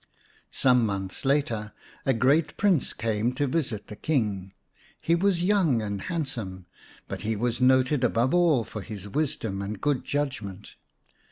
Some months later a great Prince came to visit the King. He was young and handsome, but he was noted above all for his wisdom and good judgment.